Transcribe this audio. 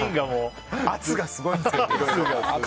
圧がすごいんですけど。